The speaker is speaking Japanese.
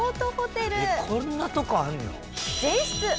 えっこんなとこあるの？